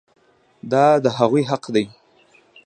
دا د هغوی حق دی.